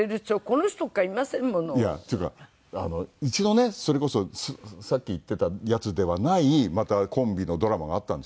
いやっていうか一度ねそれこそさっき言ってたやつではないまたコンビのドラマがあったんですよね